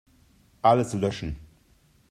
Alles löschen.